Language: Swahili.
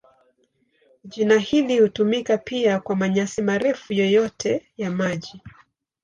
Jina hili hutumika pia kwa manyasi marefu yoyote ya maji.